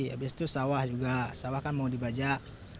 habis itu sawah juga sawah kan mau dibajak